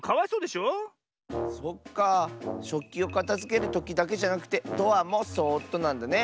しょっきをかたづけるときだけじゃなくてドアもそっとなんだね。